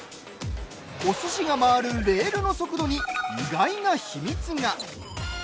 おすしが回るレールの速度に意外な秘密が！